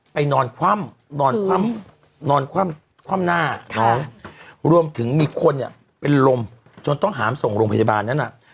นอนคว่ำนอนคว่ำหน้าน้องรวมถึงมีคนเนี่ยเป็นลมจนต้องหามส่งโรงพยาบาลนั้น